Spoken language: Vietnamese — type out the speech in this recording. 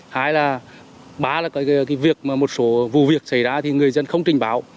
hai là một số vụ việc xảy ra thì người dân không trình báo